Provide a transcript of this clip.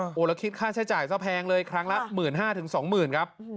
โอ้โหแล้วคิดค่าใช้จ่ายซะแพงเลยครั้งละ๑๕๐๐๒๐๐๐ครับ